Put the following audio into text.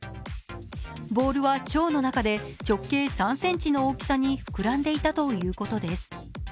ボールは腸の中で直径３ｃｍの大きさに膨らんでいたということです。